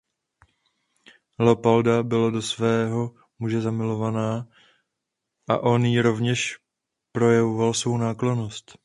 Leopolda byla do svého muže zamilovaná a on jí rovněž projevoval svou náklonnost.